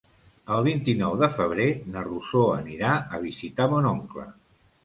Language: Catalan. El vint-i-nou de febrer na Rosó anirà a visitar mon oncle.